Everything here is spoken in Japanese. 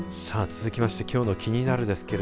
続きましてきょうのキニナル！です。